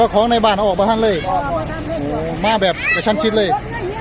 ของในบ้านเอาออกมาให้เลยมาแบบกระชั้นชิดเลย